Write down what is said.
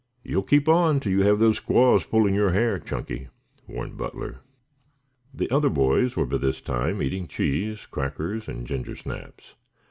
"You will keep on till you have those squaws pulling your hair, Chunky," warned Butler. The other boys were by this time eating cheese, crackers and ginger snaps.